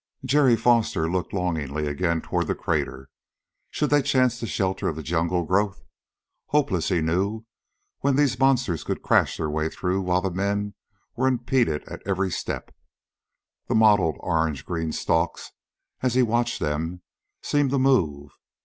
Jerry Foster looked longingly again toward the crater. Should they chance the shelter of the jungle growth? Hopeless, he knew when these monsters could crash their way through while the men were impeded at every step. The mottled, orange green stalks, as he watched them, seemed to move.